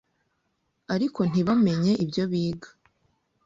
ariko ntibamenye ibyo biga,